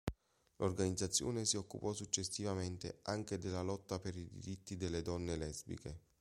L'organizzazione si occupò successivamente anche della lotta per i diritti delle donne lesbiche.